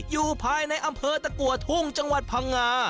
อยู่ภายในอำเภอตะกัวทุ่งจังหวัดพังงา